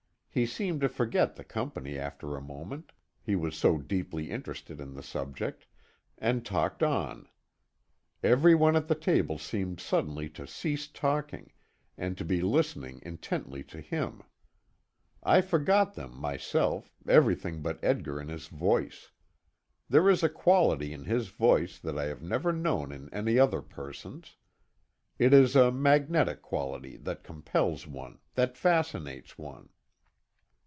He seemed to forget the company after a moment, he was so deeply interested in the subject, and talked on. Every one at the table seemed suddenly to cease talking, and to be listening intently to him. I forgot them, myself, everything but Edgar and his voice. There is a quality in his voice that I have never known in any other person's. It is a magnetic quality that compels one, that fascinates one.